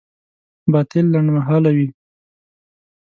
باطل لنډمهاله وي.